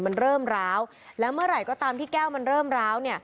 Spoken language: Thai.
มันเริ่มร้าวแล้วเมื่อไหร่ก็ตามที่แก้วมันเริ่มร้าวเนี่ย